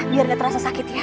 biar gak terasa sakit ya